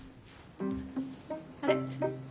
あれ？